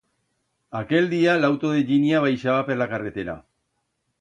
Aquel día, l'auto de llinia baixaba per la carretera.